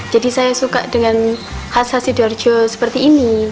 jadi saya suka dengan khas khas sidoarjo seperti ini